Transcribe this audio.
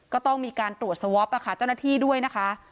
ก็ต้องมีการตรวจสวอปเจ้าหน้าที่ด้วยนะคะ